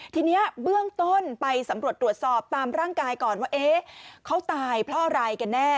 ทีนี้เบื้องต้นไปสำรวจตรวจสอบตามร่างกายก่อนว่าเขาตายเพราะอะไรกันแน่